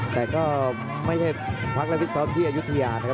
แต่ก็ไม่ได้พักและฟิตซ้อมที่อายุทยานะครับ